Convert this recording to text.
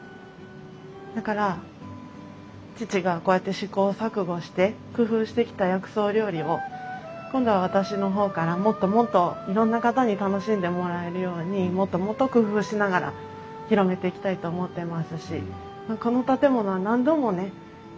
だから父がこうやって試行錯誤して工夫してきた薬草料理を今度は私の方からもっともっといろんな方に楽しんでもらえるようにもっともっと工夫しながら広めていきたいと思ってますしこの建物は何度もね